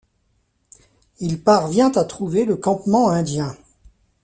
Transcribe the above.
Il parvient à trouver le campement indien.